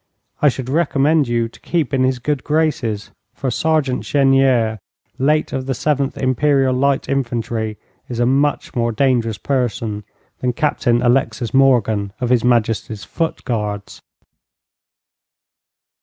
I should recommend you to keep in his good graces, for Sergeant Chenier, late of the 7th Imperial Light Infantry, is a much more dangerous person than Captain Alexis Morgan, of His Majesty's foot guards.'